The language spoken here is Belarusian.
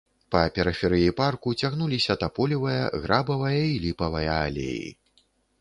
Па перыферыі парку цягнуліся таполевая, грабавая і ліпавая алеі.